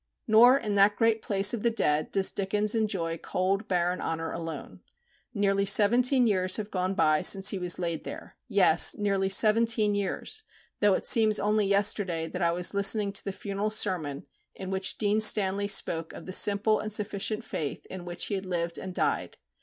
Nor in that great place of the dead does Dickens enjoy cold barren honour alone. Nearly seventeen years have gone by since he was laid there yes, nearly seventeen years, though it seems only yesterday that I was listening to the funeral sermon in which Dean Stanley spoke of the simple and sufficient faith in which he had lived and died.